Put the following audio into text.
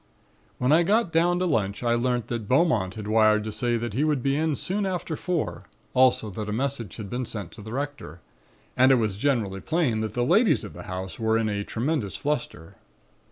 "When I got down to lunch I learnt that Beaumont had wired to say that he would be in soon after four; also that a message had been sent to the Rector. And it was generally plain that the ladies of the house were in a tremendous fluster.